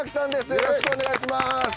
よろしくお願いします。